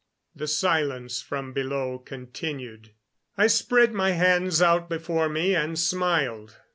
The silence from below continued. I spread my hands out before me and smiled.